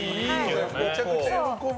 めちゃくちゃ喜ぶ。